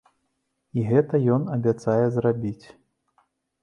І гэта ён абяцае зрабіць.